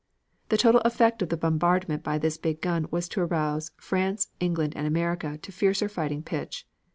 The total effect of the bombardment by this big gun was to arouse France, England and America to a fiercer fighting pitch.